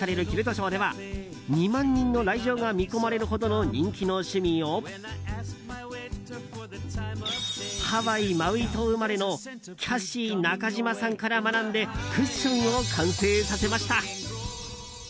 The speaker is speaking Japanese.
キルトショーでは２万人の来場が見込まれるほど人気の趣味をハワイ・マウイ島生まれのキャシー中島さんから学んでクッションを完成させました。